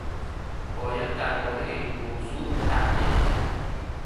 باید دربارهٔ این موضوع تحقیق کرد.